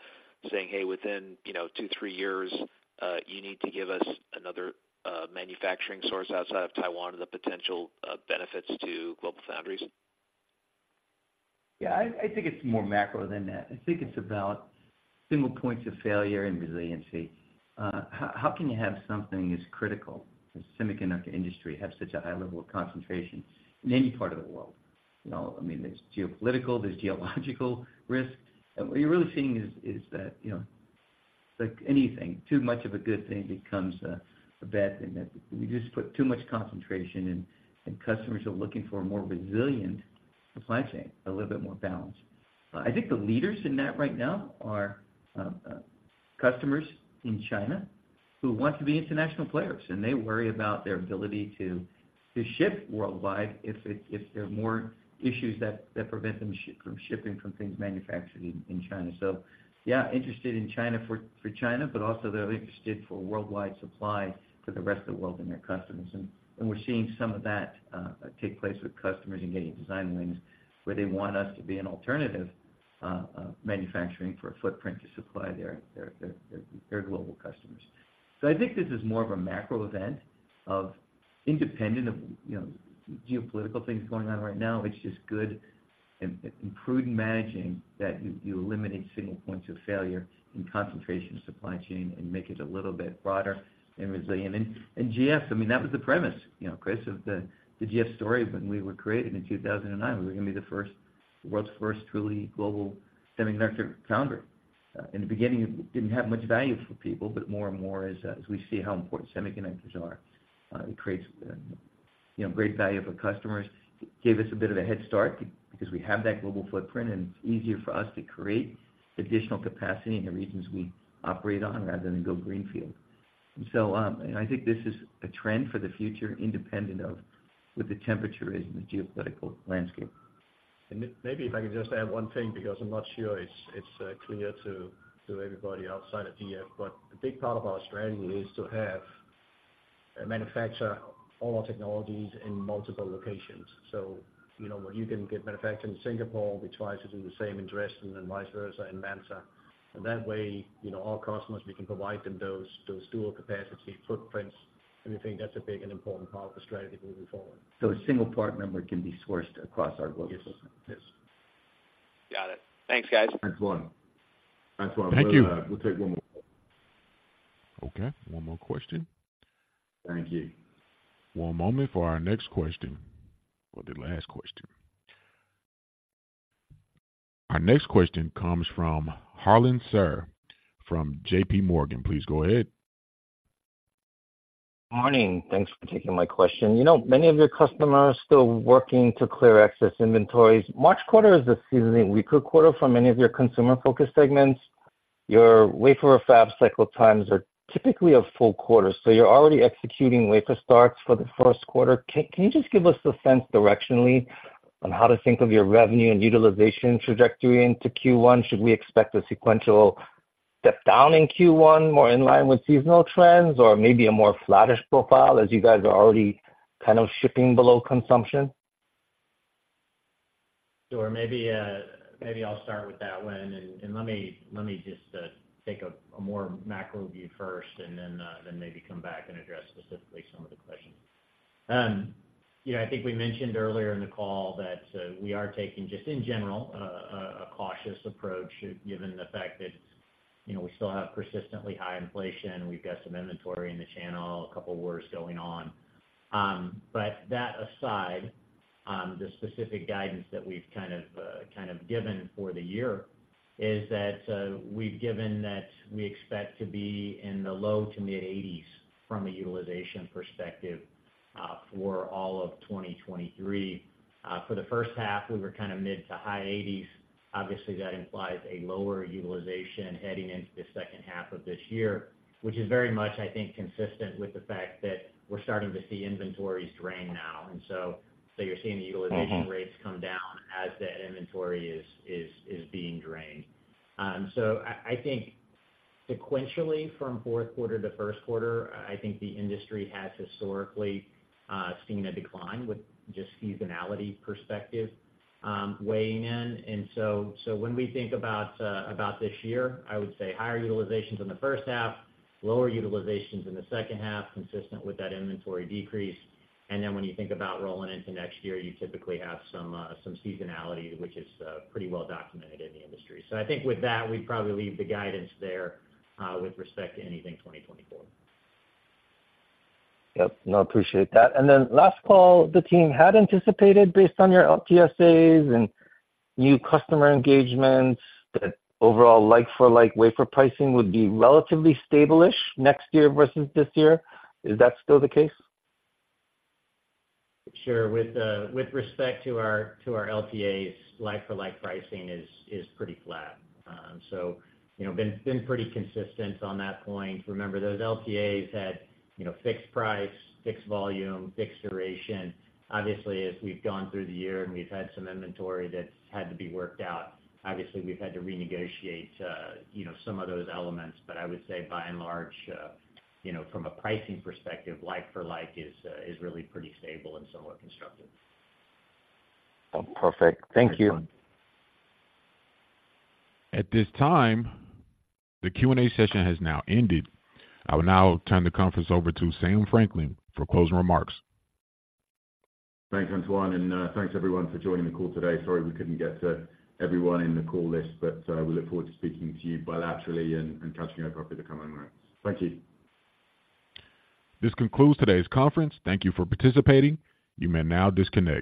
saying, "Hey, within, you know, two, three years, you need to give us another manufacturing source outside of Taiwan," the potential benefits to GlobalFoundries? Yeah, I think it's more macro than that. I think it's about single points of failure and resiliency. How can you have something as critical as the semiconductor industry have such a high level of concentration in any part of the world? You know, I mean, there's geopolitical, there's geological risk. What you're really seeing is that, you know, like anything, too much of a good thing becomes a bad thing. That we just put too much concentration, and customers are looking for a more resilient supply chain, a little bit more balanced. I think the leaders in that right now are customers in China who want to be international players, and they worry about their ability to ship worldwide if there are more issues that prevent them from shipping from things manufactured in China. So, yeah, interested in China for China, but also they're interested for worldwide supply to the rest of the world and their customers. And we're seeing some of that take place with customers and getting design wins, where they want us to be an alternative manufacturing for a footprint to supply their global customers. So I think this is more of a macro event independent of, you know, geopolitical things going on right now. It's just good and prudent managing that you eliminate single points of failure and concentration of supply chain and make it a little bit broader and resilient. And GF, I mean, that was the premise, you know, Chris, of the GF story when we were created in 2009. We were gonna be the first world's first truly global semiconductor foundry. In the beginning, it didn't have much value for people, but more and more as, as we see how important semiconductors are, it creates, you know, great value for customers. It gave us a bit of a head start because we have that global footprint, and it's easier for us to create additional capacity in the regions we operate on rather than go greenfield. And so, and I think this is a trend for the future, independent of what the temperature is in the geopolitical landscape. Maybe if I could just add one thing, because I'm not sure it's clear to everybody outside of GF, but a big part of our strategy is to have and manufacture all our technologies in multiple locations. So you know, what you can get manufactured in Singapore, we try to do the same in Dresden and vice versa, in Malta. And that way, you know, our customers, we can provide them those dual capacity footprints, and we think that's a big and important part of the strategy moving forward. A single part number can be sourced across our global system. Yes. Got it. Thanks, guys. Thanks, Antoine. Thanks, Antoine. Thank you. We'll take one more question. Okay, one more question. Thank you. One moment for our next question or the last question. Our next question comes from Harlan Sur, from JPMorgan. Please go ahead. Morning. Thanks for taking my question. You know, many of your customers are still working to clear excess inventories. March quarter is a seasonally weaker quarter for many of your consumer-focused segments. Your wafer fab cycle times are typically a full quarter, so you're already executing wafer starts for the first quarter. Can you just give us a sense directionally on how to think of your revenue and utilization trajectory into Q1? Should we expect a sequential step down in Q1, more in line with seasonal trends, or maybe a more flattish profile as you guys are already kind of shipping below consumption? Sure. Maybe I'll start with that one, and let me just take a more macro view first and then maybe come back and address specifically some of the questions. You know, I think we mentioned earlier in the call that we are taking, just in general, a cautious approach, given the fact that, you know, we still have persistently high inflation, we've got some inventory in the channel, a couple of wars going on. But that aside, the specific guidance that we've kind of kind of given for the year is that we've given that we expect to be in the low to mid-80s from a utilization perspective for all of 2023. For the first half, we were kind of mid to high 80s. Obviously, that implies a lower utilization heading into the second half of this year, which is very much, I think, consistent with the fact that we're starting to see inventories drain now. And so, you're seeing the utilization- Mm-hmm. Rates come down as the inventory is being drained. So I think sequentially from fourth quarter to first quarter, I think the industry has historically seen a decline with just seasonality perspective weighing in. And so when we think about this year, I would say higher utilizations in the first half, lower utilizations in the second half, consistent with that inventory decrease. And then when you think about rolling into next year, you typically have some seasonality, which is pretty well documented in the industry. So I think with that, we'd probably leave the guidance there with respect to anything 2024. Yep. No, I appreciate that. And then last call, the team had anticipated, based on your LTAs and new customer engagements, that overall like for like wafer pricing would be relatively stable-ish next year versus this year. Is that still the case? Sure. With, with respect to our, to our LTAs, like for like pricing is pretty flat. So you know, been pretty consistent on that point. Remember, those LTAs had, you know, fixed price, fixed volume, fixed duration. Obviously, as we've gone through the year and we've had some inventory that's had to be worked out, obviously, we've had to renegotiate, you know, some of those elements. But I would say by and large, you know, from a pricing perspective, like for like is really pretty stable and somewhat constructive. Oh, perfect. Thank you. At this time, the Q and A session has now ended. I will now turn the conference over to Sam Franklin for closing remarks. Thanks, Antoine, and, thanks, everyone, for joining the call today. Sorry we couldn't get to everyone in the call list, but, we look forward to speaking to you bilaterally and, and catching up over the coming months. Thank you. This concludes today's conference. Thank you for participating. You may now disconnect.